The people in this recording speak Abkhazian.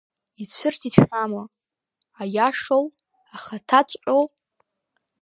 Ицәырҵит шәҳәама, аиашоу, ахаҭаҵәҟьоу?!